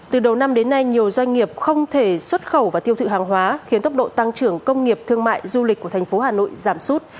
từ đầu năm đến nay nhiều doanh nghiệp không thể xuất khẩu và tiêu thụ hàng hóa khiến tốc độ tăng trưởng công nghiệp thương mại du lịch của thành phố hà nội giảm sút